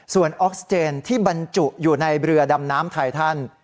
ส่วนออกซิเจนที่บรรจุอยู่ในเรือดำน้ำไททัน